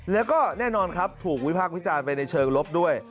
แล้วก็แน่นอนครับถูกวิพากษ์วิจารณ์ไปในเชิงลบด้วย